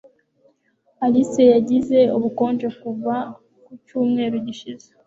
Alice yagize ubukonje kuva ku cyumweru gishize.